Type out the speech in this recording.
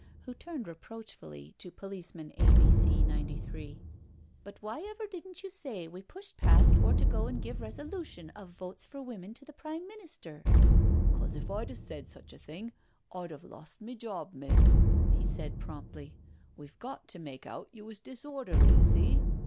She turned reproachfully to police man A. B. C. 93* " But why ever didn't you say we pushed past for to go an' give resolution of * Votes for Women ' to the Prime Minister?" " 'Cause, if I'd said such a thing I'd 'ave lost my job, miss," he said promptly. " We've got to make out you was disorderly, see."